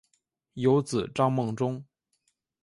有子张孟中。